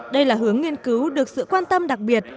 đây là hướng nghiên cứu được sự quan tâm đặc biệt